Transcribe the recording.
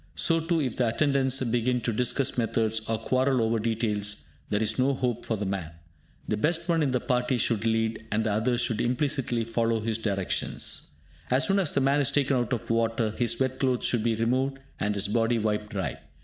So too, if the attendants begin to discuss methods, or quarrel over details, there is no hope for the man. The best one in the party should lead, and the others should implicitly follow his directions. As soon as the man is taken out of water, his wet clothes should be removed, and his body wiped dry.